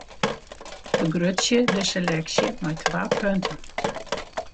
Fergrutsje de seleksje mei twa punten.